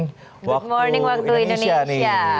good morning waktu indonesia